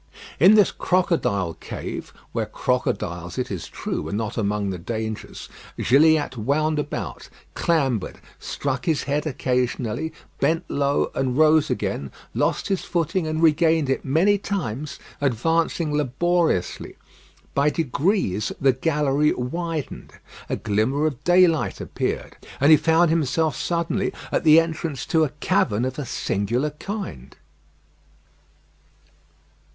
In this crocodile cave where crocodiles, it is true, were not among the dangers Gilliatt wound about, clambered, struck his head occasionally, bent low and rose again, lost his footing and regained it many times, advancing laboriously. By degrees the gallery widened; a glimmer of daylight appeared, and he found himself suddenly at the entrance to a cavern of a singular kind.